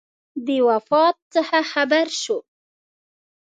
د وفات څخه خبر شو.